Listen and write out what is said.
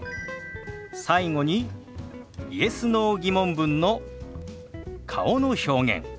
最後にＹｅｓ／Ｎｏ−疑問文の顔の表現。